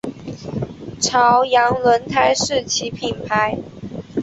朝阳轮胎是其品牌。